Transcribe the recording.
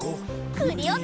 クリオネ！